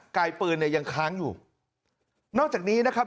กายปืนเนี่ยยังค้างอยู่นอกจากนี้นะครับ